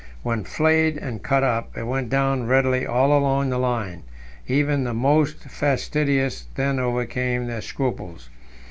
When flayed and cut up, it went down readily all along the line; even the most fastidious then overcame their scruples.